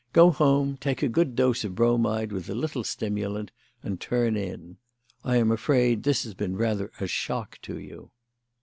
Go home, take a good dose of bromide with a little stimulant, and turn in. I am afraid this has been rather a shock to you."